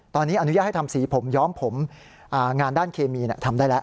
ตอนนี้อนุญาตให้ทำสีผมย้อมผมงานด้านเคมีทำได้แล้ว